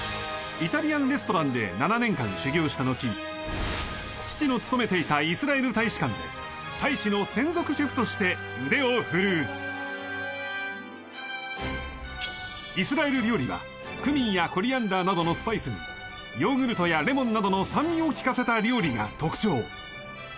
イタリアンレストランで７年間修業した後父の勤めていたイスラエル大使館で大使の専属シェフとして腕を振るうイスラエル料理はクミンやコリアンダーなどのスパイスにヨーグルトやレモンなどの酸味を効かせた料理が特徴